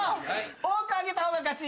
多く上げた方が勝ち。